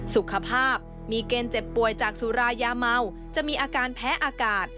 สุขภาพมีเกณฑ์เจ็บป่วยจากสุรายาเมาจะมีอาการแพ้อากาศ